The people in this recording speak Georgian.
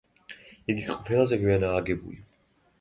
იგი ყველაზე გვიანაა აგებული.